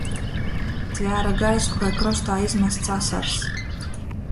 Tvēre gaisu kai krostā izmasts asars.